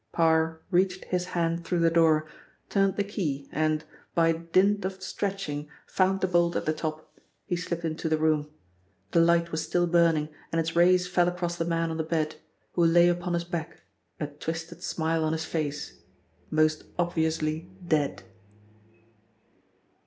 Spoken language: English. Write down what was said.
Parr reached his hand through the door, turned the key and, by dint of stretching, found the bolt at the top. He slipped into the room. The light was still burning and its rays fell across the man on the bed, who lay upon his back, a twisted smile on his face, most obviously dead.